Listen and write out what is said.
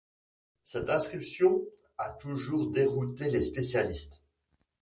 Cette inscription a toujours dérouté les spécialistes.